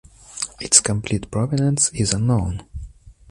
Its complete provenance is unknown.